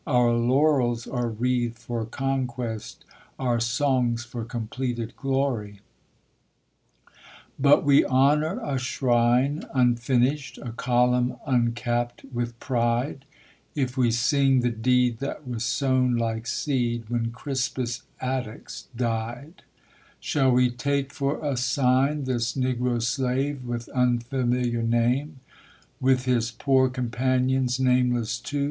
Oar laurels are wreathed for conquest, oar songs for corn But we honor a shrine unfinished, a column uncapped with If we sing the deed that was sown like seed when Crispus Attucks Shall we take for a sign this Negro slare with unfamiliar With his poor companions, ~*l* too.